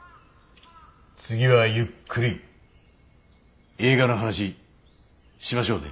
次はゆっくり映画の話しましょうね。